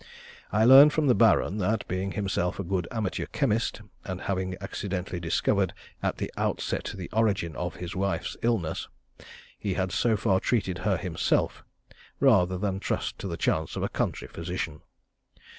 I learned from the Baron that, being himself a good amateur chemist, and having accidentally discovered at the outset the origin of his wife's illness, he had so far treated her himself, rather than trust to the chance of a country physician.